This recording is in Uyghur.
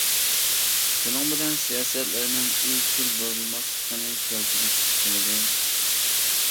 شۇنىڭ بىلەن سىياسەتلەرنىڭ ئىزچىل بولماسلىقىنى كەلتۈرۈپ چىقىرىدۇ.